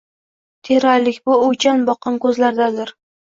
Teranlik bu — o’ychan boqqan ko’zlardadir